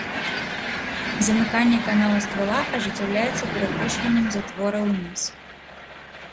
Замыканне канала ствала ажыццяўляецца перакошваннем затвора ўніз.